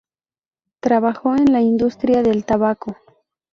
Trabajó en la industria del tabaco.